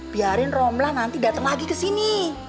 biarin romlah nanti datang lagi ke sini